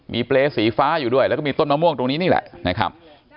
มีเปรย์สีฟ้าอยู่ด้วยแล้วก็มีต้นมะม่วงตรงนี้นี่แหละนะครับ